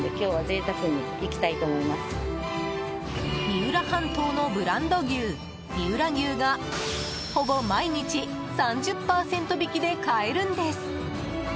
三浦半島のブランド牛三浦牛がほぼ毎日３０％引きで買えるんです。